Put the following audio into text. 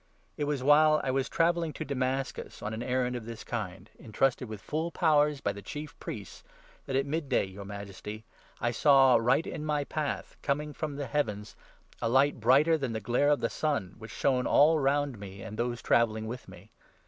It 12 was while I was travelling to Damascus on an errand of this kind, entrusted with full powers by the Chief Priests, that at 13 mid day, your Majesty, I saw right in my path, coming from the heavens, a light brighter than the glare of the sun, which shone all round me and those travelling with me.